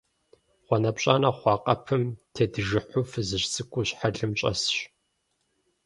ГъуанэпщӀанэ хъуа къэпым тедыжыхьу фызыжь цӀыкӀур щхьэлым щӀэсщ.